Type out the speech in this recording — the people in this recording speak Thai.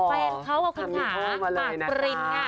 แฟนเขากับคุณขาหมากประลิน